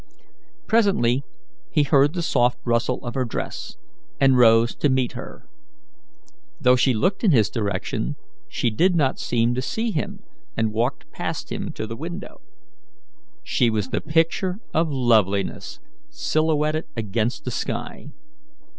Presently he heard the soft rustle of her dress, and rose to meet her. Though she looked in his direction, she did not seem to see him, and walked past him to the window. She was the picture of loveliness silhouetted against the sky.